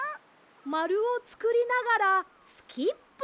まるをつくりながらスキップ。